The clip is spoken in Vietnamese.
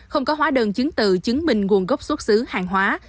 không có hóa đơn chứng từ chứng minh nguồn gốc xuất xứ hàng hóa